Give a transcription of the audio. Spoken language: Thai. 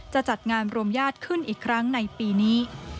จะจัดงานรวมญาติขึ้นอีกครั้งในปีนี้